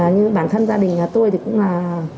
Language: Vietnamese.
như bản thân gia đình nhà tôi thì cũng là